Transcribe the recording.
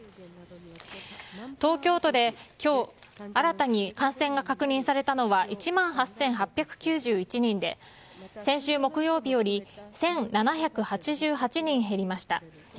東京都で今日、新たに感染が確認されたのは１万８８９１人で先週木曜日より１７８８人減りました。